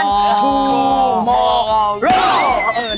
แม่เจอกันพรุ่งนี้